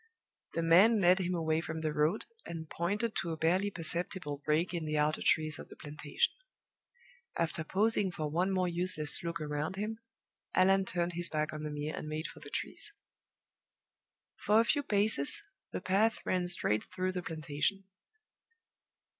The man led him away from the road, and pointed to a barely perceptible break in the outer trees of the plantation. After pausing for one more useless look around him, Allan turned his back on the Mere and made for the trees. For a few paces, the path ran straight through the plantation.